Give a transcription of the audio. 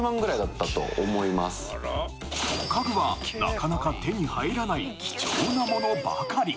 家具はなかなか手に入らない貴重なものばかり！